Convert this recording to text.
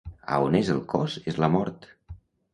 A on és el cos és la mort.